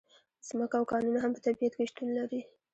ځمکه او کانونه هم په طبیعت کې شتون لري.